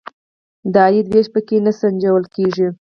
د عاید وېش په کې نه سنجول کیږي.